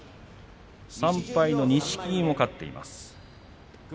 ３敗の錦木も勝っています。